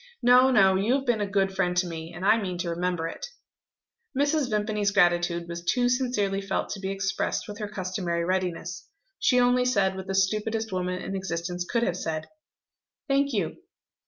No, no; you have been a good friend to me and I mean to remember it." Mrs. Vimpany's gratitude was too sincerely felt to be expressed with her customary readiness. She only said what the stupidest woman in existence could have said: "Thank you."